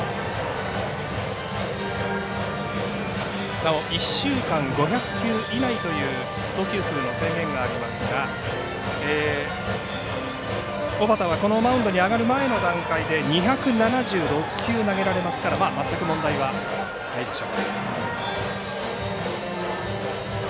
なお１週間５００球以内という投球数の制限がありますが小畠は、このマウンドに上がる前の段階で２７６球投げられますから全く問題はないでしょう。